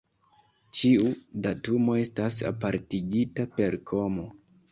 Ĉiu datumo estas apartigita per komo.